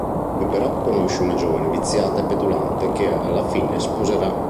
Qui però conosce una giovane viziata e petulante che alla fine sposerà.